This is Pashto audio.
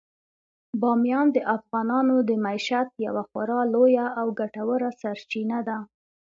بامیان د افغانانو د معیشت یوه خورا لویه او ګټوره سرچینه ده.